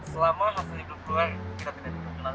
selagi hasil tes pcr yang tadi diambil sekitar sepuluh jam